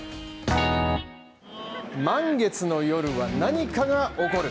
満月の夜は何かが起こる。